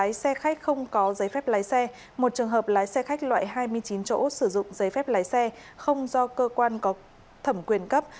lái xe khách không có giấy phép lái xe một trường hợp lái xe khách loại hai mươi chín chỗ sử dụng giấy phép lái xe không do cơ quan có thẩm quyền cấp